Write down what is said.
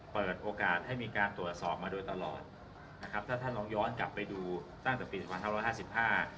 เปิดโอกาสให้มีการตรวจสอบมาโดยตลอดนะครับถ้าท่านลองย้อนกลับไปดูตั้งแต่ปีสองพันห้าร้อยห้าสิบห้า